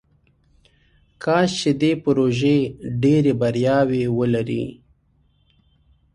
کاش چې دې پروژې ډیرې بریاوې ولري.